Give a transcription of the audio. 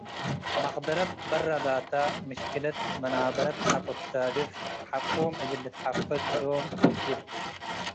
መቅደረት በረ ላተ ምሽክለት መናበረት ሐቆ ትሳድፍ ሐቆም እግል ልትሐፈዝ እሎም ወጅብ።